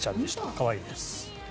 可愛いです。